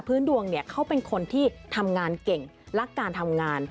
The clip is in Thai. ดวงเนี่ยเขาเป็นคนที่ทำงานเก่งรักการทำงาน